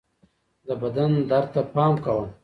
د بدن درد ته پام کوه